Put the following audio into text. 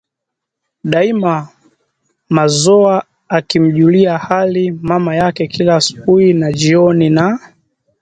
Daima Mazoa akimjulia hali mama yake kila asubuhi na jioni na